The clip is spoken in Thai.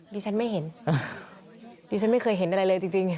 ดิฉันไม่เห็นดิฉันไม่เคยเห็นอะไรเลยจริง